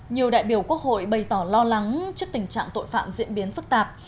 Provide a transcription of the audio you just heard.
nhiều đại biểu quốc hội bày tỏ lo lắng trước tình trạng tội phạm diễn biến phức tạp